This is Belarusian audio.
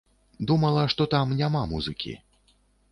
Думала, што там няма музыкі.